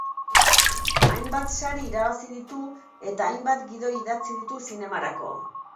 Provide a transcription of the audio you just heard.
Hainbat sari irabazi ditu eta hainbat gidoi idatzi ditu zinemarako.